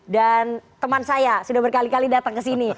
dan teman saya sudah berkali kali datang ke sini